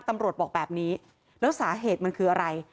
บอกแบบนี้แล้วสาเหตุมันคืออะไร